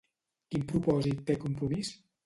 Quin propòsit té Compromís?